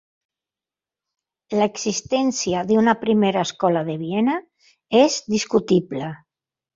L'existència d'una "Primera Escola de Viena" és discutible.